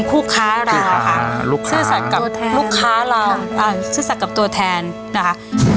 คู่ค้าเราค่ะลูกค้าตัวแทนลูกค้าเราอ่าซื่อสรรค์กับตัวแทนนะคะ